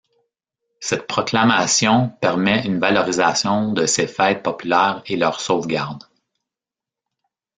Cette proclamation permet une valorisation de ces fêtes populaires et leur sauvegarde.